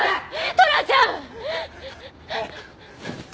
トラちゃん！！